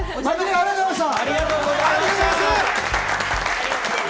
ありがとうございます。